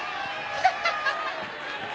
ハハハハハ！